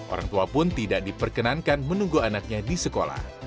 orang tua pun tidak diperkenankan menunggu anaknya di sekolah